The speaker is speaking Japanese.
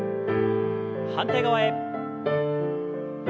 反対側へ。